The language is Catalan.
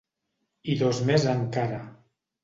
I dos més encara.